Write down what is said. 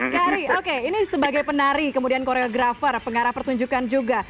kak ari oke ini sebagai penari kemudian koreografer pengarah pertunjukan juga